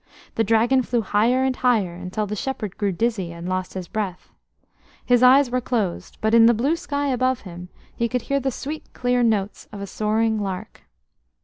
The Dragon flew higher and higher, until the shepherd grew dizzy and lost his breath. His eyes were closed, but in the blue sky above him he could hear the sweet clear notes of a soaring lark.